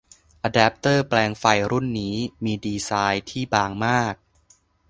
อะแดปเตอร์แปลงไฟรุ่นนี้มีดีไซน์ที่บางมาก